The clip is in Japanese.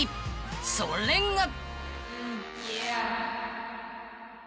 ［それが］